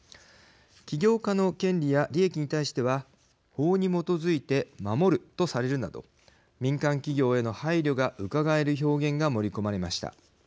起業家の権利や利益に対しては法に基づいて守るとされるなど民間企業への配慮がうかがえる表現が盛り込まれました。